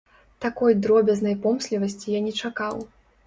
Такой дробязнай помслівасці я не чакаў.